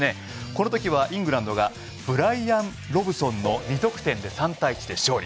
この時は、イングランドがブライアン・ロブソンの２得点で３対１で勝利。